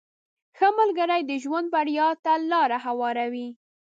• ښه ملګری د ژوند بریا ته لاره هواروي.